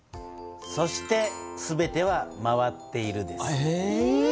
「そしてすべては回っている」です。